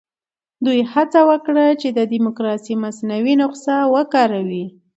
دوی هڅه وکړه چې د ډیموکراسۍ مصنوعي نسخه وکاروي.